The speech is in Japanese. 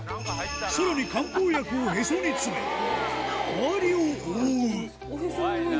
さらに漢方薬をへそに詰め周りを覆うおへその上に。